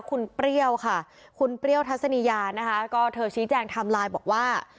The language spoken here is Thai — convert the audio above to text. คุณเปรี้ยวค่ะคุณเปรี้ยวทัศนียานะคะก็เธอชี้แจงไทม์ไลน์บอกว่า